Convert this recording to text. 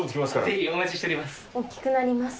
ぜひお待ちしております。